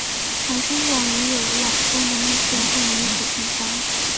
常生长于有扰动的木屑或泥土地上。